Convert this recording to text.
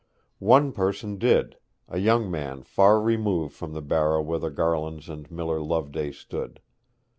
One person did, a young man far removed from the barrow where the Garlands and Miller Loveday stood.